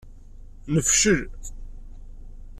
Nefcel.